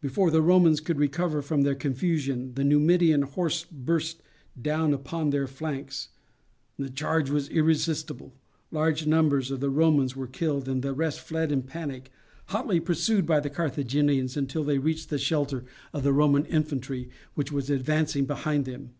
Before the Romans could recover from their confusion the Numidian horse burst down upon their flanks. The charge was irresistible; large numbers of the Romans were killed and the rest fled in panic, hotly pursued by the Carthaginians, until they reached the shelter of the Roman infantry, which was advancing behind them.